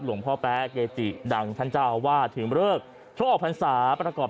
หลวงพ่อแป๊เกจิดังท่านเจ้าอาวาสถึงเลิกช่วงออกพรรษาประกอบ